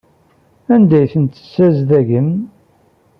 Anda ay ten-tessazedgem?